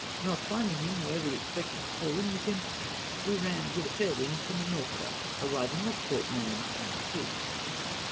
Not finding him where we expected to fall in with liim, we ran with a fair wind for Minorca, arriviniz: off Port Mahon on the 5th.